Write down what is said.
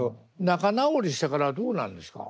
仲直りしてからはどうなんですか？